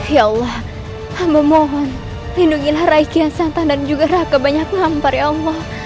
ya allah aku memohon lindungilah rakyat kian santan dan juga raka banyak ngampar ya allah